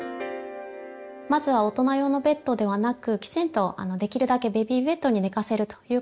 まずは大人用のベッドではなくきちんとできるだけベビーベッドに寝かせるということが大切です。